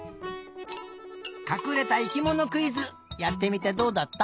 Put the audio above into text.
かくれた生きものクイズやってみてどうだった？